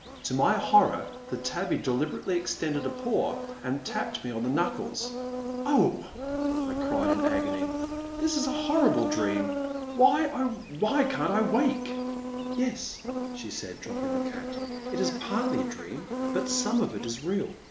To ray horror the tabby deliberately extended a paw and tapped me on the knuckles. *' Oh !" I cried in agony, this is a horrible dream ! Why, oh, why can't I wake !" Yes," she said, dropping the cat, it is partly a dream but some of it is real.